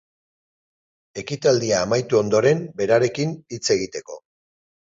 Ekitaldia amaitu ondoren berarekin hitz egiteko.